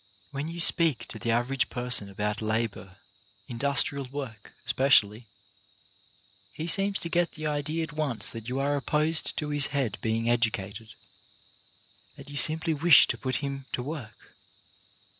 When you speak to the average person about labor — industrial work, especially — he seems to i22 CHARACTER BUILDING get the idea at once that you are opposed to his head being educated — that you simply wish to put him to work.